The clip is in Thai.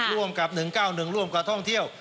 ร่วมกับ๑๙๑ร่วมกับท่องเที่ยว